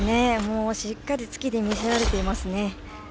しっかり突きで見せられています。